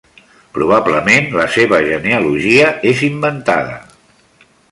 Probablement la seva genealogia és inventada.